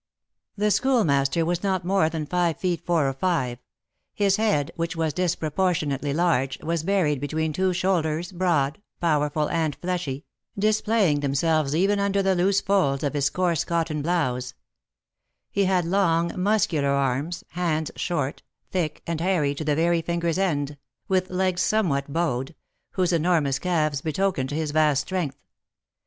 The Schoolmaster was not more than five feet four or five; his head, which was disproportionately large, was buried between two shoulders, broad, powerful, and fleshy, displaying themselves even under the loose folds of his coarse cotton blouse; he had long, muscular arms, hands short, thick, and hairy to the very fingers' end, with legs somewhat bowed, whose enormous calves betokened his vast strength.